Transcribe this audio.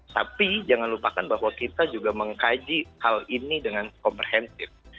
tapi jangan lupakan bahwa kita juga mengkaji hal ini dengan komprehensif